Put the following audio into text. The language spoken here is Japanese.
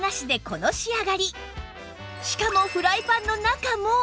しかもフライパンの中も